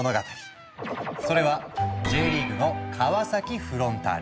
それはＪリーグの川崎フロンターレ。